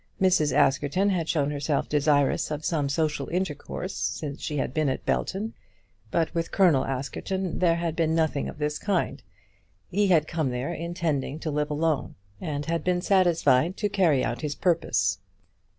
Mrs. Askerton had shown herself desirous of some social intercourse since she had been at Belton, but with Colonel Askerton there had been nothing of this. He had come there intending to live alone, and had been satisfied to carry out his purpose.